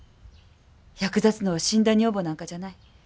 役立つのは死んだ女房なんかじゃない。